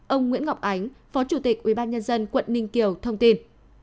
ông nguyễn ngọc ánh phó chủ tịch ubnd quận ninh kiều thông tin